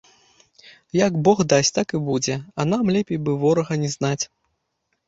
Як бог дасць, так і будзе, а нам лепей бы ворага не знаць.